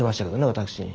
私に。